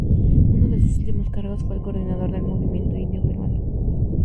Uno de sus últimos cargos fue el de coordinador del Movimiento Indio Peruano.